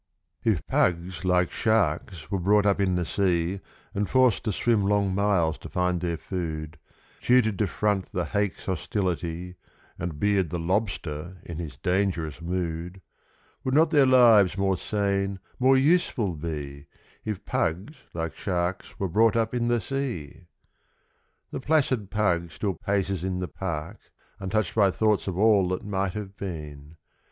= If Pugs like Sharks were brought up in the sea `And forced to swim long miles to find their food, Tutored to front the Hake's hostility, `And beard the Lobster in his dangerous mood, Would not their lives more sane, more useful be, If Pugs like Sharks were brought up in the sea?= The placid Pug still paces in the park, `Untouched by thoughts of all that might have been.